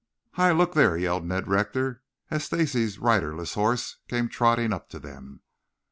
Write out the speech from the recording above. "Hi, look there!" yelled Ned Rector, as Stacy's riderless horse came trotting up to them.